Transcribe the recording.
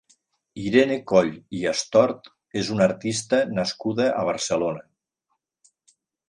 Irene Coll i Astort és una artista nascuda a Barcelona.